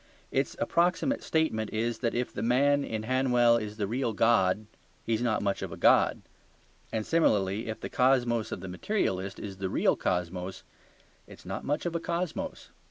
Its approximate statement is that if the man in Hanwell is the real God, he is not much of a god. And, similarly, if the cosmos of the materialist is the real cosmos, it is not much of a cosmos.